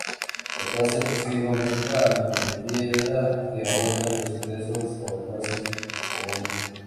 La tasa impositiva aumenta a medida que aumentan los ingresos o la base imponible.